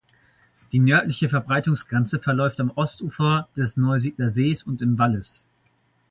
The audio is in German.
Die nördliche Verbreitungsgrenze verläuft am Ostufer des Neusiedler Sees und im Wallis.